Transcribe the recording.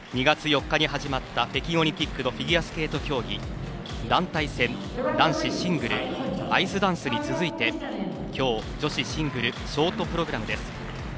２月４日に始まった北京オリンピックのフィギュアスケート競技団体戦、男子シングルアイスダンスに続いてきょう、女子シングルショートプログラムです。